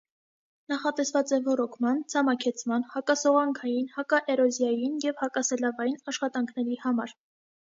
Նախատեսված է ոռոգման, ցամաքեցման, հակասողանքային, հակաէրոզիային և հակասելավային աշխատաքների համար։